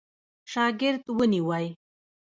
شاګرد ونیوی.